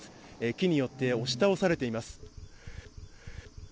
木によって押し倒されています。